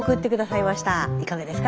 いかがですか？